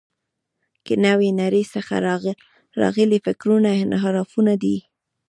له نوې نړۍ څخه راغلي فکرونه انحرافونه دي.